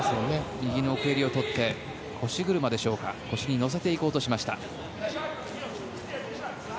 右の奥襟を取って腰車でしょうか腰に乗せようとしました。